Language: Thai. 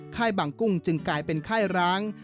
ค่ายบางกุ้งจึงกลายเป็นค่ายร้าง